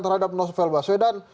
terhadap nosvel baswedan